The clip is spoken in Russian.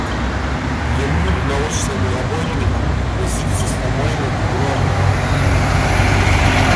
Ему научному работнику, возиться с помойным ведром!